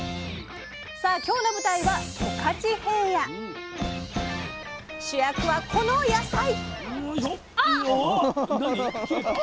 さあ今日の舞台は主役はこの野菜。